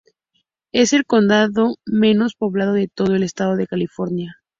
Es el condado menos poblado de todo el estado de California.